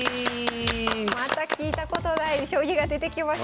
また聞いたことない将棋が出てきました。